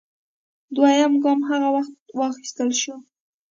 دویم ګام هغه وخت واخیستل شو